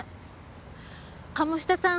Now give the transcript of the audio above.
鴨志田さん